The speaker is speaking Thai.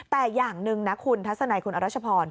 แต่อย่างหนึ่งนะคุณทัศนัยคุณอรัชพร